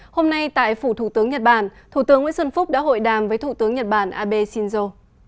hôm nay tại phủ thủ tướng nhật bản thủ tướng nguyễn xuân phúc đã hội đàm với thủ tướng nhật bản abe shinzo